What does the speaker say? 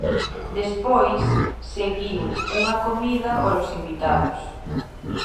Despois, seguiu unha comida para os invitados.